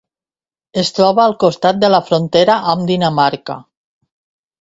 Es troba al costat de la frontera amb Dinamarca.